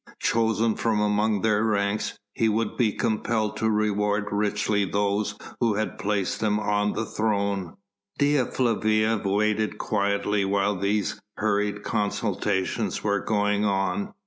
Chosen from among their ranks, he would be compelled to reward richly those who had placed him on the throne. Dea Flavia waited quietly while these hurried consultations were going on.